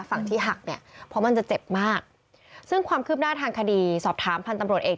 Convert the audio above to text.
ฝั่งที่หักเนี่ยเพราะมันจะเจ็บมากซึ่งความคืบหน้าทางคดีสอบถามพันธุ์ตำรวจเอก